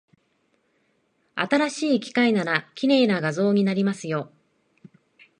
新しい機械なら、綺麗な画像になりますよ。